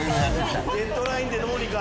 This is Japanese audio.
「デッドライン」でどうにか。